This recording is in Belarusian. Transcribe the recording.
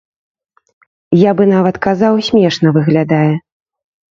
Я бы нават казаў, смешна выглядае.